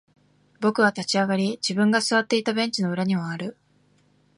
僕は立ち上がり、自分が座っていたベンチの裏に回る。